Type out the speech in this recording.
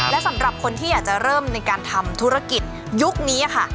และสำหรับคนที่อยากจะเริ่มในการทำธุรกิจยุคนี้ค่ะ